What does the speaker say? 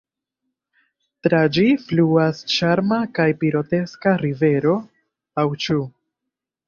Tra ĝi fluas ĉarma kaj pitoreska rivero – aŭ ĉu?